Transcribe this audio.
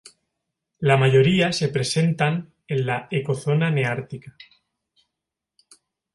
La mayoría se presentan en la ecozona neártica.